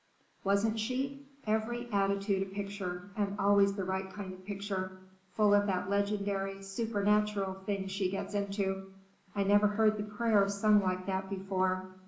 "Wasn't she? Every attitude a picture, and always the right kind of picture, full of that legendary, supernatural thing she gets into it. I never heard the prayer sung like that before.